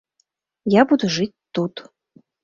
Я буду жыць тут.